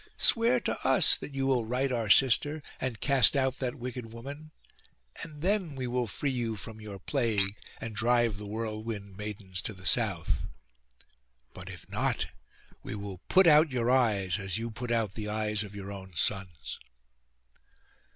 Swear to us that you will right our sister, and cast out that wicked woman; and then we will free you from your plague, and drive the whirlwind maidens to the south; but if not, we will put out your eyes, as you put out the eyes of your own sons.